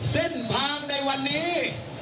เส้นทางในวันนี้